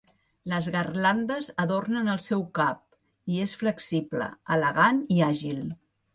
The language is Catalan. Les garlandes adornen el seu cap, i és flexible, elegant i àgil.